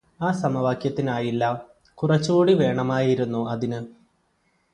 ആ സമവാക്യത്തിനായില്ല കുറച്ചുകൂടി വേണമായിരുന്നു അതിന്